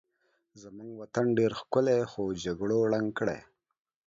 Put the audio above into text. زمونږ وطن ډېر ښکلی خو جګړو ړنګ کړی